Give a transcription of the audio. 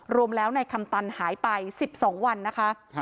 รวมแล้วในคำตันหายไป๑๒วันนะคะ